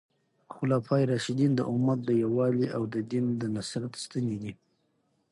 خلفای راشدین د امت د یووالي او د دین د نصرت ستنې دي.